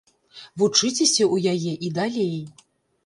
Вучыцеся ў яе і далей.